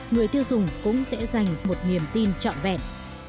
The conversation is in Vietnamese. người tiêu dùng cũng sẽ dành một niềm tin trọn vẹn